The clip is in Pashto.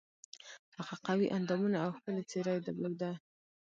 هغه قوي اندامونه او ښکلې څېره یې درلوده.